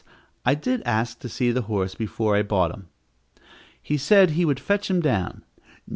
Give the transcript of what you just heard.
I did ask to see the horse before I bought him. He said he would fetch him down.